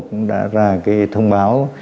cũng đã ra cái thông báo